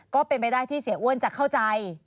ก็เป็นไปได้ที่เสียอ้วนจะเข้าใจ